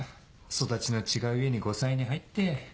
育ちの違う家に後妻に入って。